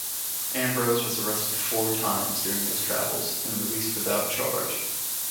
Ambrose was arrested four times during his travels and released without charge.